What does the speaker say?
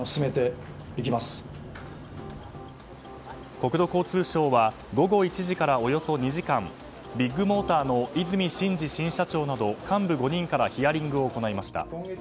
国土交通省は午後１時からおよそ２時間ビッグモーターの和泉伸二新社長など幹部５人からヒアリングを行いました。